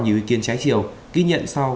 nhiều ý kiến trái chiều ghi nhận sau